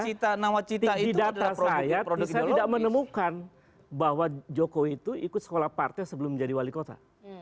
saya tidak menemukan bahwa jokowi itu ikut sekolah partai sebelum menjadi wali kota